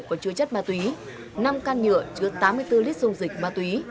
có chứa chất ma túy năm can nhựa chứa tám mươi bốn lít dung dịch ma túy